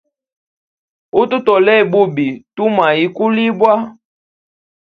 Utu tolea bubi, tumwa ikulibwa.